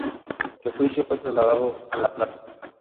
El juicio fue trasladado a La Plata.